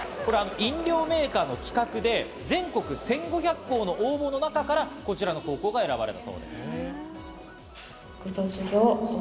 飲料メーカーの企画で全国１５００校の応募の中からこちらの高校が選ばれたそうです。